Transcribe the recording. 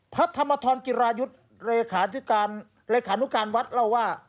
พระธรรมธรกิรายุทธ์เรขานุการวัดเล่าว่า